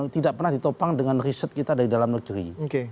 tidak pernah ditopang dengan riset kita dari dalam negeri